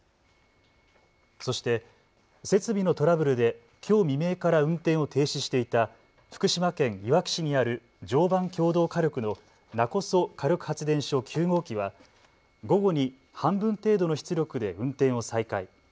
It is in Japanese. そして設備のトラブルできょう未明から運転を停止していた福島県いわき市にある常磐共同火力の勿来火力発電所９号機は午後に半分程度の出力で運転を再開。